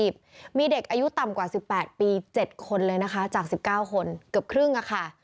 เกือบครึ่งค่ะ